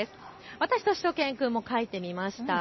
私としゅと犬くんも書いてみました。